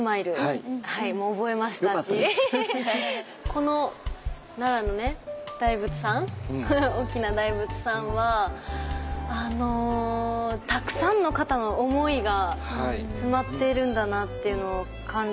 この奈良のね大仏さん大きな大仏さんはたくさんの方の思いが詰まっているんだなっていうのを感じました。